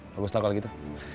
bagus lah kalau gitu